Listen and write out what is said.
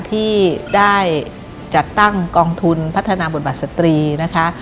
ที่ได้จัดตั้งกองทุนพัฒนาบทบัตรสตรีนะคะ